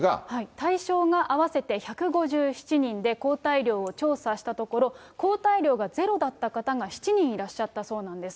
対象が合わせて１５７人で、抗体量を調査したところ、抗体量がゼロだった方が７人いらっしゃったそうなんです。